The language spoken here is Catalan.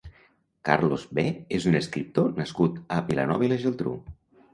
Carlos Be és un escriptor nascut a Vilanova i la Geltrú.